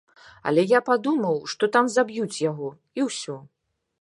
Але я падумаў, што там заб'юць яго, і ўсё.